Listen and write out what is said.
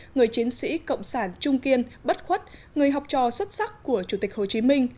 người chiến sĩ cộng sản trung kiên bất khuất người học trò xuất sắc của chủ tịch hồ chí minh